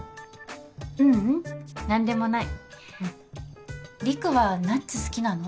ううん何でもない陸はナッツ好きなの？